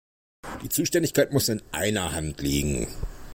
Die Zuständigkeit muss in einer Hand liegen.